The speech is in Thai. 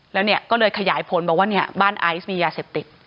แล้วเนี่ยก็เลยขยายผลบอกว่าเนี่ยบ้านไอซ์มียาเสพติด